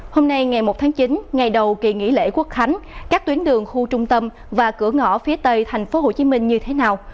hôm nay ngày một tháng chín ngày đầu kỳ nghỉ lễ quốc khánh các tuyến đường khu trung tâm và cửa ngõ phía tây thành phố hồ chí minh như thế nào